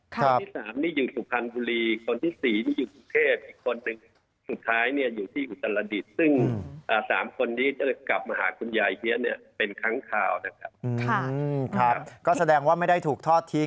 คนที่๓อยู่สุพรรณบุรีคนที่๔อยู่สุทธิพย์คนที่๓อยู่สุทธิพย์คนที่๔อยู่สุทธิพย์